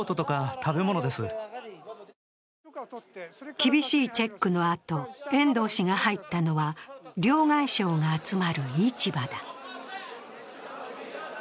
厳しいチェックのあと、遠藤氏が入ったのは両替商が集まる市場だ。